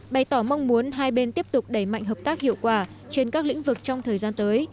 bày tỏ mong muốn hai bên tiếp tục đẩy mạnh hợp tác hiệu quả trên các lĩnh vực trong thời gian tới